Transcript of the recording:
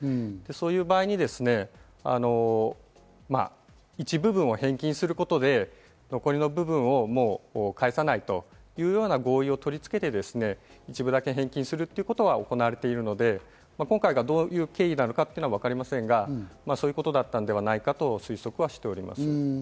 そういう場合に一部分を返金することで残りの部分をもう返さないというような合意を取り付けて、一部だけ返金するということは行われているので、今回、どういう経緯なのかわかりませんが、そういうことだったんではないかと推測しております。